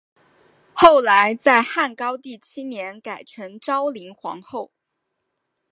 后来在汉高帝七年改称昭灵皇后。